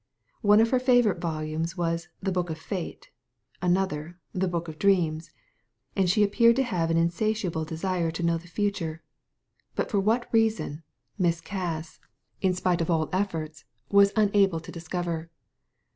One of her favourite volumes was "The Book of Fate," another "The Book of Dreams," and she appeared to have an insatiable desire to know the future ; but for what reason, Miss Cass — in spite of Digitized by Google 42 THE LADY FROM NOWHERE all efforts — was unable to discover.